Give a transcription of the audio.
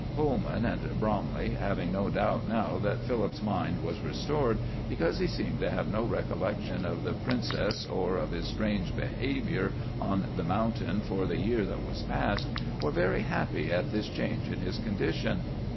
Coleman and Bromley, having no doubt now that Philip's mind was restored, because he seemed to have no recollection of the princess or of his strange behavior on the mountain for the year that was past, were very happy at this change in his condition.